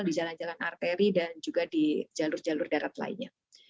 di jalan jalan arteri dan juga di jalur jalur darat lainnya